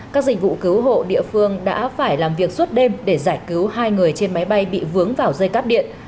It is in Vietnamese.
các dịch vụ cứu hộ địa phương đã phải làm việc suốt đêm để giải cứu hai người trên máy bay bị vướng vào dây cắp điện